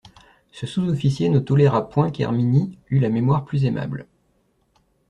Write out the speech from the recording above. Ce sous-officier ne toléra point qu'Herminie eût la mémoire plus aimable.